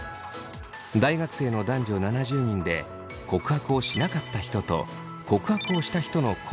大学生の男女７０人で告白をしなかった人と告白をした人の後悔の大きさを比べました。